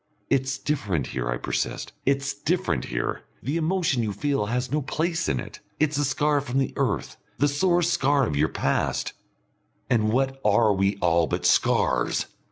"It's different here," I persist. "It's different here. The emotion you feel has no place in it. It's a scar from the earth the sore scar of your past " "And what are we all but scars?